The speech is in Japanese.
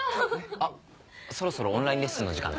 あっそろそろオンラインレッスンの時間だ。